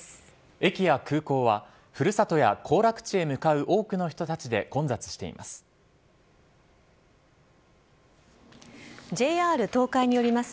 駅や空港は、ふるさとや行楽地へ向かう多くの人たちで混雑しています。